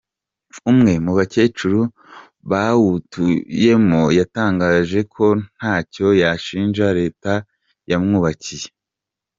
Umwe mu bakecuru bawutuyemo yatangaje ko ntacyo yashinja Leta yamwubakiye.